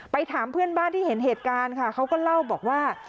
ถามเพื่อนบ้านที่เห็นเหตุการณ์ค่ะเขาก็เล่าบอกว่า